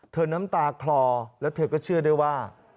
น้ำตาคลอแล้วเธอก็เชื่อได้ว่า